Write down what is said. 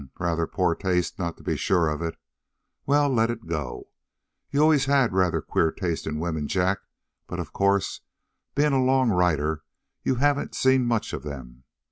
"Hm! Rather poor taste not to be sure of it. Well, let it go. You've always had rather queer taste in women, Jack; but, of course, being a long rider, you haven't seen much of them.